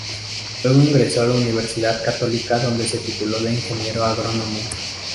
Luego ingresó a la Universidad Católica donde se tituló de Ingeniero Agrónomo.